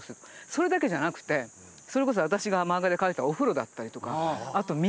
それだけじゃなくてそれこそ私が漫画で描いたお風呂だったりとかあと道。